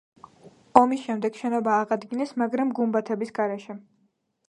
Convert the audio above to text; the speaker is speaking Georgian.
ომის შემდეგ შენობა აღადგინეს, მაგრამ გუმბათების გარეშე.